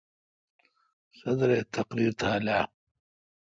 صدر اے°تقریر تھال اہ؟